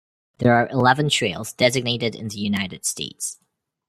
There are eleven trails designated in the United States.